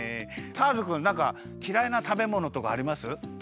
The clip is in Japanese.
ターズくんなんかきらいなたべものとかあります？